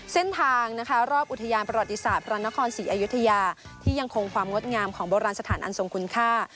เส้นทางนะคะรอบอุทยานประวัติศาสตร์พระนครศรีอยุธยาที่ยังคงความงดงามของโบราณสถานอันทรงคุณค่า